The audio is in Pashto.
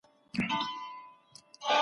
چېري د یتیمانو پالنه کیږي؟